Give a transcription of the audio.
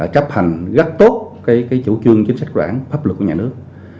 chấp hành rất tốt chủ trương chính sách quản pháp luật của nhà nước